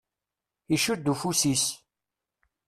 Icudd ufus-is.